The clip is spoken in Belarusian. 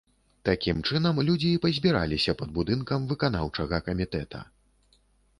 Такім чынам людзі і пазбіраліся пад будынкам выканаўчага камітэта.